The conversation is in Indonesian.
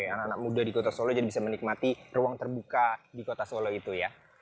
anak anak muda di kota solo jadi bisa menikmati ruang terbuka di kota solo itu ya